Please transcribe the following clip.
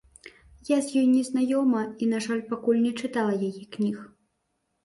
Я з ёй не знаёмая і, на жаль, пакуль не чытала яе кніг.